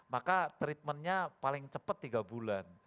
maka treatmentnya paling cepat tiga bulan